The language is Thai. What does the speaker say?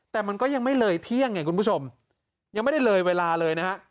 แต่มันก็ยังไม่เลยเที่ยงไงคุณผู้ชมยังไม่ได้เลยเวลาเลยนะฮะ